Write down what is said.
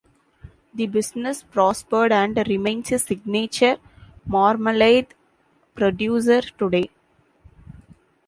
The business prospered, and remains a signature marmalade producer today.